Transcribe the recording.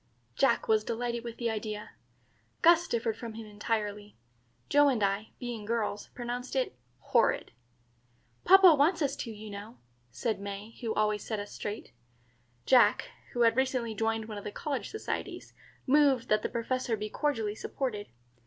Jack was delighted with the idea. Gus differed from him entirely. Joe and I, being girls, pronounced it horrid. "Papa wants us to, you know," said May, who always sets us straight. Jack, who had recently joined one of the college societies, moved that the Professor be cordially supported.